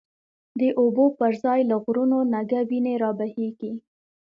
د اوبو پر ځای له غرونو، نګه وینی رابهیږی